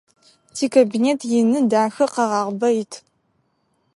Тикабинет ины, дахэ, къэгъагъыбэ ит.